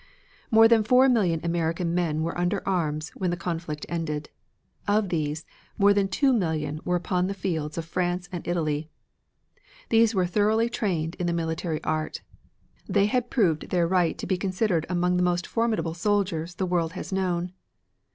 More than four million American men were under arms when the conflict ended. Of these, more than two million were upon the fields of France and Italy. These were thoroughly trained in the military art. They had proved their right to be considered among the most formidable soldiers the world has known.